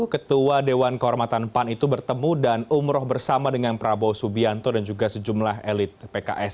ketua dewan kehormatan pan itu bertemu dan umroh bersama dengan prabowo subianto dan juga sejumlah elit pks